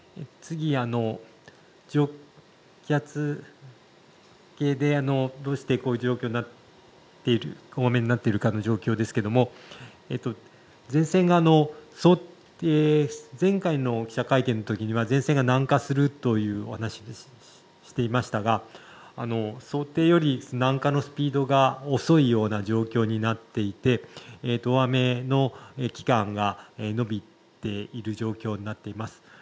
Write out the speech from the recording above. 次は気圧計でどうしてこういう状況になっているかの状況ですが前回の記者会見のときには前線が南下するというお話をしましたが想定よりも南下のスピードが遅い状況になっていて大雨の期間が伸びている状況になっています。